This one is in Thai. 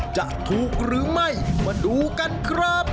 จะถูกหรือไม่มาดูกันครับ